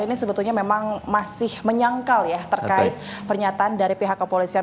ini sebetulnya memang masih menyangkal ya terkait pernyataan dari pihak kepolisian